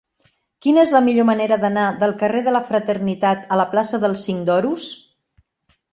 Quina és la millor manera d'anar del carrer de la Fraternitat a la plaça del Cinc d'Oros?